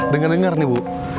dengar dengar nih bu